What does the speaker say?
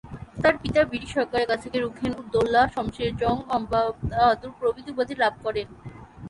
তার পিতা ব্রিটিশ সরকারের কাছ থেকে রুখেন-উদ্দৌলা, শমসের জং, নবাব বাহাদুর প্রভৃতি উপাধি লাভ করেন।